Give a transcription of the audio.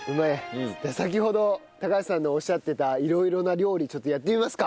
先ほど橋さんのおっしゃってた色々な料理ちょっとやってみますか。